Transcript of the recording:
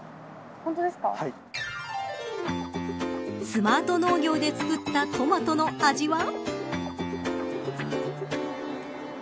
スマート農業で作ったトマトの味は。